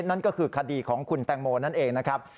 นั่นก็คือคดีของคุณแตงโมนั่นเองนะครับ